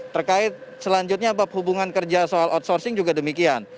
terkait selanjutnya bab hubungan kerja soal outsourcing juga demikian